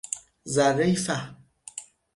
ذرهای فهم